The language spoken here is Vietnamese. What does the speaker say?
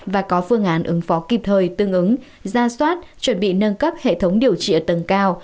và có phương án ứng phó kịp thời tương ứng ra soát chuẩn bị nâng cấp hệ thống điều trị ở tầng cao